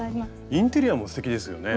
インテリアもすてきですよね。